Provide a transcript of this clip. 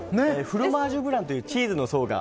フロマージュブランというチーズの層が。